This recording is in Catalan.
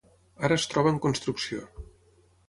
Ara es troba en construcció.